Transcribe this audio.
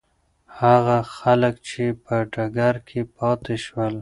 هغه خلک چې په ډګر کې پاتې شول.